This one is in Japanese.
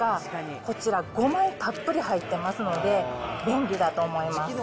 こちら５枚たっぷり入ってますので、便利だと思います。